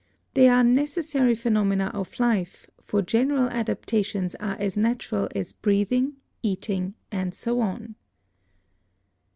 They are necessary phenomena of life, for general adaptations are as natural as breathing, eating and so on.